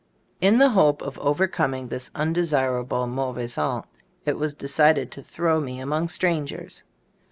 In the hope of overcoming this unde sirable mauvais honte, it was decided to throw me among strangers.